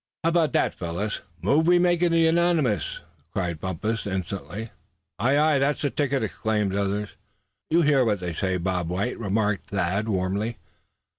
How about that, fellows?" "Move we make it unanimous!" cried Bumpus, instantly. "Ay, ay! that's the ticket," exclaimed others. "You hear what they say, Bob White?" remarked Thad, warmly.